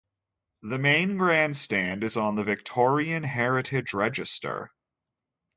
The main grandstand is on the Victorian Heritage Register.